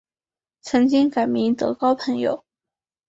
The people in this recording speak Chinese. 曾经改名德高朋友。